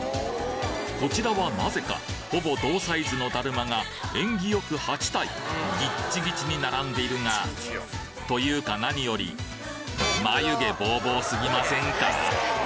こちらはなぜかほぼ同サイズのだるまが縁起よく８体ギッチギチに並んでいるがというか何より眉毛ボーボーすぎませんか？